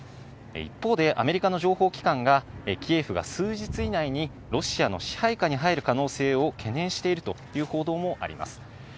一方で、アメリカの情報機関がキエフが数日以内にロシアの支配下に入る可能性を懸念しているという報道もあります。